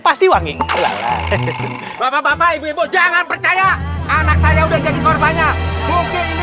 pasti wangi bapak bapak ibu ibu jangan percaya anak saya udah jadi korbannya mungkin ini